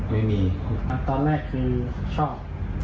ไม่มีตอนแรกคือชอบ